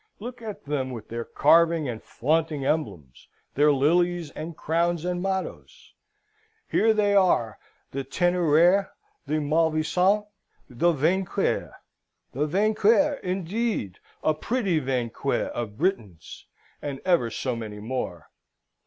Look at them with their carving and flaunting emblems their lilies, and crowns, and mottoes! Here they are, the Teneraire, the Malfaisant, the Vainqueur (the Vainqueur, indeed! a pretty vainqueur of Britons!), and ever so many more.